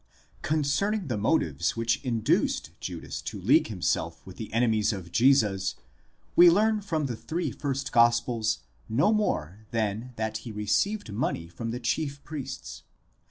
Concerning the motives which induced Judas to league himself with the enemies of Jesus, we learn from the three first gospels no more than that he received money from the chief priests.